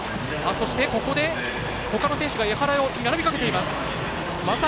そして、ほかの選手が江原に並びかけています。